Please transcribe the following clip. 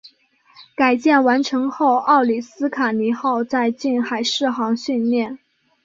改建完成后奥里斯卡尼号在近海试航训练。